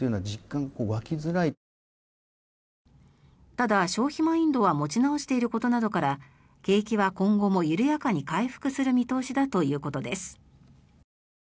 ただ、消費マインドは持ち直していることなどから景気は今後も緩やかに回復する見通しだということです。